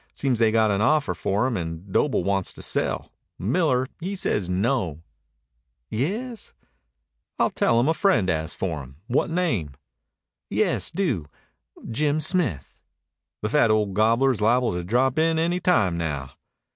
Seems they got an offer for him and Doble wants to sell. Miller he says no." "Yes?" "I'll tell 'em a friend asked for 'em. What name?" "Yes, do. Jim Smith." "The fat old gobbler's liable to drop in any time now."